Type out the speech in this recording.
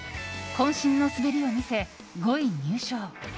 渾身の滑りを見せ５位入賞。